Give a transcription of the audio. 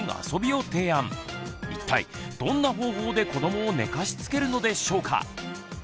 一体どんな方法で子どもを寝かしつけるのでしょうか？